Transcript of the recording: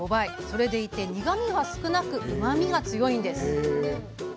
それでいて苦みが少なくうまみも強いんです。